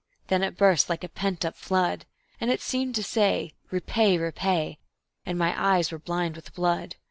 then it burst like a pent up flood; And it seemed to say, "Repay, repay," and my eyes were blind with blood.